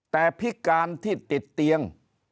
แต่พิการที่ติดเตียง